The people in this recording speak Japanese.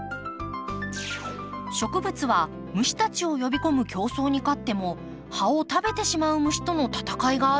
植物は虫たちを呼び込む競争に勝っても葉を食べてしまう虫との戦いがあるんです。